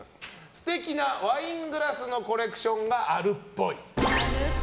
素敵なワイングラスのコレクションがあるっぽい。